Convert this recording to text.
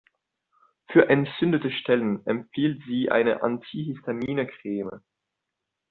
Für entzündete Stellen empfiehlt sie eine antihistamine Creme.